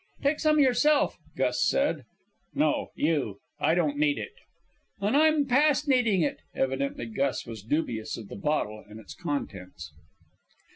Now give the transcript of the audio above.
"Take some yourself," Gus said. "No; you. I don't need it." "And I'm past needing it." Evidently Gus was dubious of the bottle and its contents.